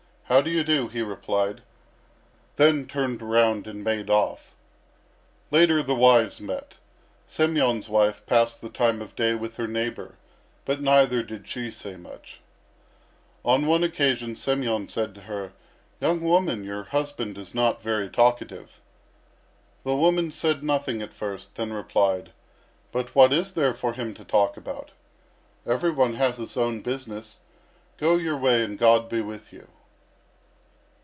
"How do you do?" he replied; then turned around and made off. Later the wives met. Semyon's wife passed the time of day with her neighbour, but neither did she say much. On one occasion Semyon said to her: "Young woman, your husband is not very talkative." The woman said nothing at first, then replied: "But what is there for him to talk about? Every one has his own business. Go your way, and God be with you."